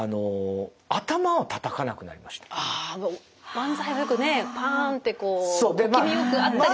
漫才はよくねパンってこう小気味よくあったりします。